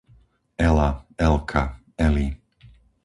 Ela, Elka, Eli